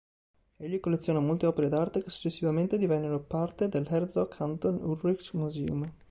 Egli collezionò molte opere d'arte che successivamente divennero parte dell'Herzog Anton Ulrich Museum.